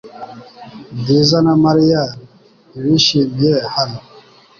Bwiza na Mariya ntibishimiye hano .